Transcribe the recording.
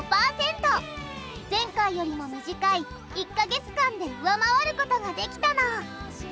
前回よりも短い１か月間で上回ることができたの！